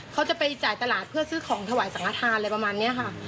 เขาจะไปจ่ายตลาดเพื่อซื้อของถวายสังฆฐานอะไรประมาณนี้ค่ะ